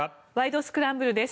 スクランブル」です。